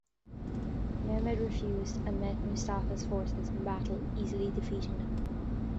Mehmed refused and met Mustafa's forces in battle, easily defeating them.